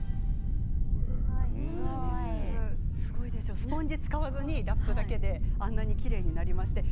スポンジを使わずにラップだけであんなにきれいになりました。